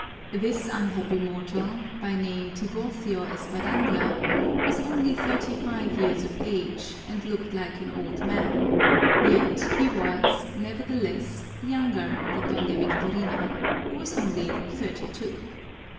This unhappy mortal, by name Tiburcio Espadaña, was only thirty five years of age and looked like an old man, yet he was, nevertheless, younger than Doña Victorina, who was only thirty two.